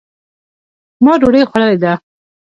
ما دوډۍ خوړلې ده